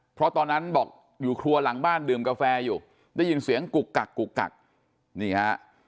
เพราะตอนนั้นบอกอยู่ครัวหลังบ้านดื่มกาแฟอยู่ได้ยินเสียงกุกกักกุกกักนี่ฮะ